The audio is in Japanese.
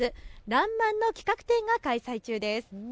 らんまんの企画展が開催中です。